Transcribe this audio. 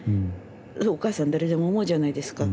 お母さん誰でも思うじゃないですか。